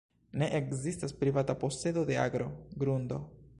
Ne ekzistas privata posedo de agro, grundo.